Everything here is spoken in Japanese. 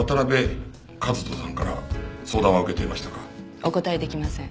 お答えできません。